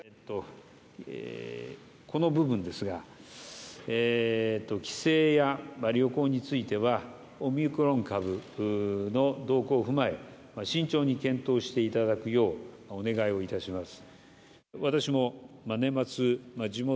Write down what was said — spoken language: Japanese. この部分ですが帰省や旅行についてはオミクロン株の動向を踏まえ慎重に検討していただくようお願いを致します。